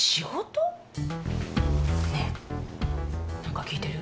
ねえ何か聞いてる？